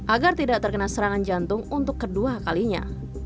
agar tidak terkena serangan jantung untuk kedua kalinya